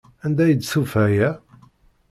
Anda ay d-tufa aya?